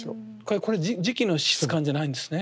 これ磁器の質感じゃないんですね。